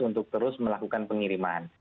untuk terus melakukan pengiriman